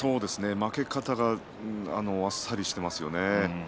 負け方があっさりしていますね。